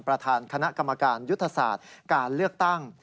ประธานคณะกรรมการยุทธศาสตร์การเลือกตั้ง